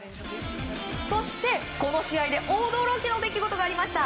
そして、この試合で驚きの出来事がありました。